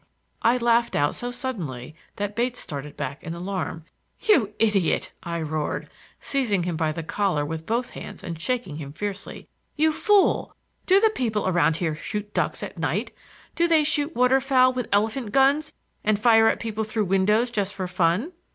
I laughed out so suddenly that Bates started back in alarm. "You idiot!" I roared, seizing him by the collar with both hands and shaking him fiercely. "You fool! Do the people around here shoot ducks at night? Do they shoot water fowl with elephant guns and fire at people through windows just for fun?"